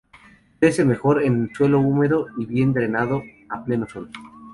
Crece mejor en suelo húmedo y bien drenado, a pleno sol.